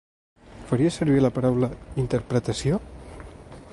Faries servir la paraula ‘interpretació’?